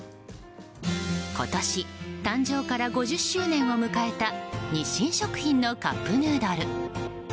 今年誕生から５０周年を迎えた日清食品のカップヌードル。